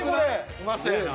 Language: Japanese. うまそうやな。